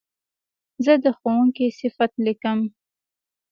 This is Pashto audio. زه د ښوونکي صفت لیکم.